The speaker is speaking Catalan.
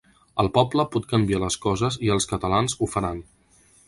El poble pot canviar les coses i els catalans ho faran.